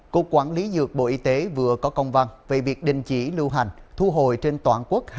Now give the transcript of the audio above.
cục quản lý dược bộ y tế vừa có công văn về việc đình chỉ lưu hành thu hồi trên toàn quốc